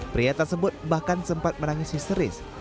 pria tersebut bahkan sempat menangis histeris